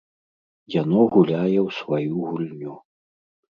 Яно гуляе ў сваю гульню.